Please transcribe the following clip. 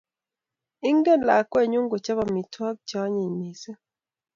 Ingen lakwenyu kochop amitwogik che anyiny mising